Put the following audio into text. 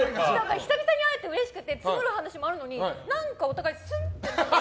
久々に会えてうれしくて積もる話もあるのに何か、お互いスンって。